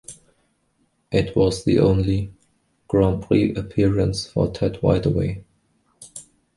It was the only Grand Prix appearance for Ted Whiteaway.